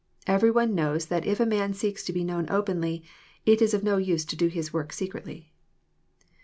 Every one knows that if a man seeks to be known openly, it is no use to do his work secretly.